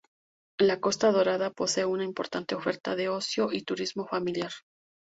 La Costa Dorada posee una importante oferta de ocio y turismo familiar.